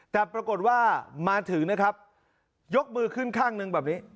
แต่ปรากฏว่ามาถึงนะครับยกมือขึ้นข้างหนึ่งแบบนี้